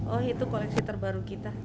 oh itu koleksi terbaru kita